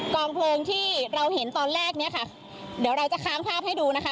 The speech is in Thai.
องเพลิงที่เราเห็นตอนแรกเนี้ยค่ะเดี๋ยวเราจะค้างภาพให้ดูนะคะ